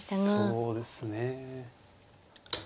そうですね。